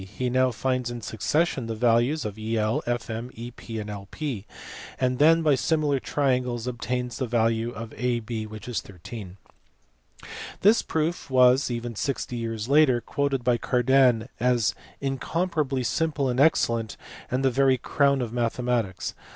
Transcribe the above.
He now finds in succession the values of EL, FM, EP and LP ; and then by similar triangles obtains the value of AB which is 13. This proof was, even sixty years later, quoted by Cardan as "incomparably simple and excellent, and the very crown of mathematics."